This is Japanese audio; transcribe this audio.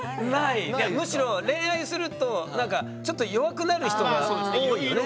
むしろ恋愛するとなんかちょっと弱くなる人が多いよね。